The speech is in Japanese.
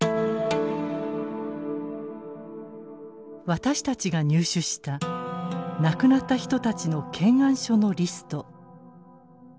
私たちが入手した亡くなった人たちの検案書のリスト。